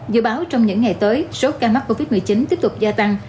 dự báo trong những ngày tới số ca mắc covid một mươi chín tiếp tục gia tăng